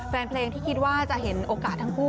แฟนเพลงที่คิดว่าจะเห็นโอกาสทั้งคู่